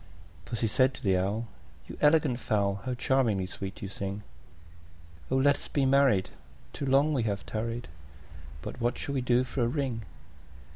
II. Pussy said to the Owl, "You elegant fowl, How charmingly sweet you sing! Oh! let us be married; too long we have tarried: But what shall we do for a ring?"